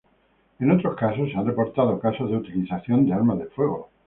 En otros casos se han reportado casos de utilización de armas de fuego.